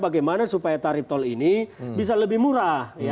bagaimana supaya tarif tol ini bisa lebih murah